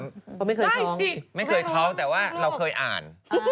ก็ถามได้สิไม่เคยเขาแต่ว่าเราเคยอ่าน